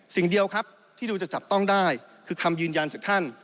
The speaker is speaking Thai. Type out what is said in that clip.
สิ่งเดียวครับที่ดูจะจับต้องได้คือคำยืนยันจากท่าน